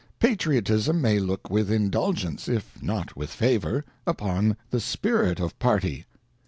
Patriotism may look with indulgence, if not with favour, upon the spirit of party.